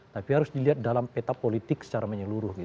tapi harus dilihat dalam peta politik secara menyeluruh gitu